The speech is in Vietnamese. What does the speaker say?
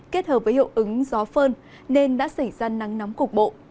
kết hợp với hiệu ứng gió phơn nên đã xảy ra nắng nóng cục bộ